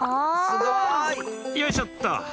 すごい！よいしょっと！